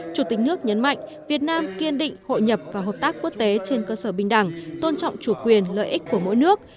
chủ tịch nước nhấn mạnh việt nam kiên định hội nhập và hợp tác quốc tế trên cơ sở bình đẳng tôn trọng chủ quyền lợi ích của mỗi nước